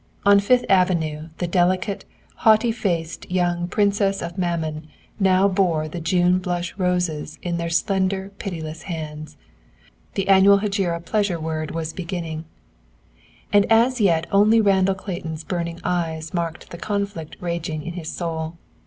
On Fifth Avenue the delicate, haughty faced young Princesses of Mammon now bore the June blush roses in their slender pitiless hands. The annual hegira pleasureward was beginning. And as yet only Randall Clayton's burning eyes marked the conflict raging in his soul.